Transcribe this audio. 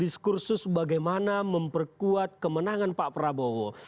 diskursus bagaimana memperkuat kemenangan pak prabowo